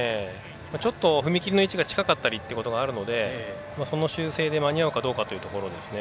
ちょっと踏み切りの位置が近かったりということがあるのでその修正で間に合うかどうかというところですね。